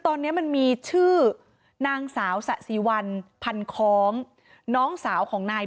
ตอนนี้มันมีชื่อนางสาวสะสีวันพันคล้องน้องสาวของนาย